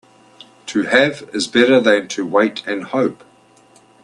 To have is better than to wait and hope.